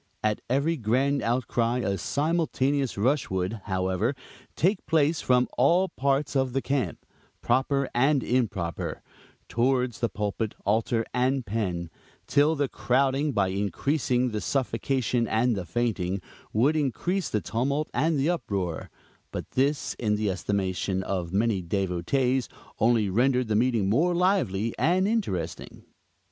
At every grand outcry a simultaneous rush would, however, take place from all parts of the camp, proper and improper, towards the pulpit, altar, and pen; till the crowding, by increasing the suffocation and the fainting, would increase the tumult and the uproar; but this, in the estimation of many devotees, only rendered the meeting more lively and interesting.